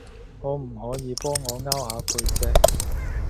可唔可以幫我 𢯎 下背脊